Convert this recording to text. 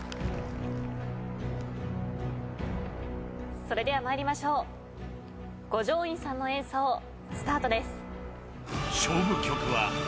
それでは参りましょう五条院さんの演奏スタートです。